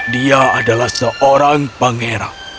dia adalah seorang pangeran